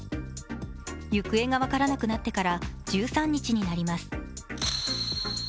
行方が分からなくなってから１３日になります。